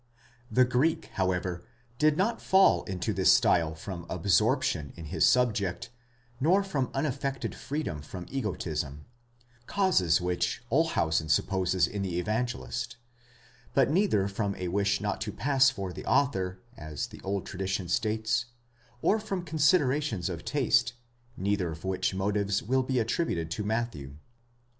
The Greek, however, did not fall into this style from absorption in his subject, nor from unaffected freedom from egotism,—causes which Olshausen supposes in the Evangelist; but either from a wish not to pass for the author, as an old tradition states,'* or from considerations of taste, neither of which motives will be attributed to Matthew.